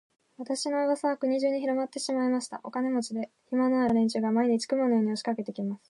私の噂は国中にひろまってしまいました。お金持で、暇のある、物好きな連中が、毎日、雲のように押しかけて来ます。